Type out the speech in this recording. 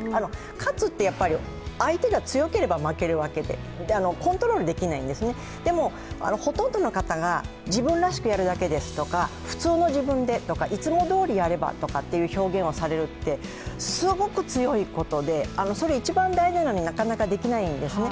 勝つって、相手が強ければ負けるわけで、コントロールできないんですね、でもほとんどの方が、自分らしくやるだけですとか普通の自分でとかいつもどおりやればとかっていう表現をされるってすごく強いことで、それ一番大事なのになかなかできないんですね。